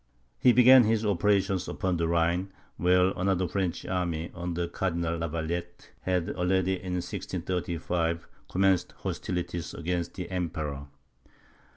He began his operations upon the Rhine, where another French army, under Cardinal Lavalette, had already, in 1635, commenced hostilities against the Emperor.